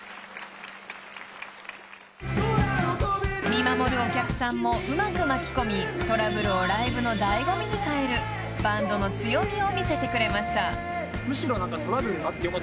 ［見守るお客さんもうまく巻き込みトラブルをライブの醍醐味に変えるバンドの強みを見せてくれました］